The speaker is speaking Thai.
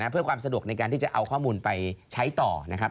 เพื่อความสะดวกในการที่จะเอาข้อมูลไปใช้ต่อนะครับ